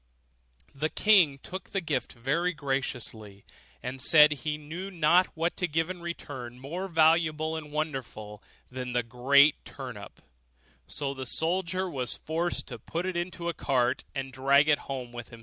The king took the gift very graciously, and said he knew not what to give in return more valuable and wonderful than the great turnip; so the soldier was forced to put it into a cart, and drag it home with him.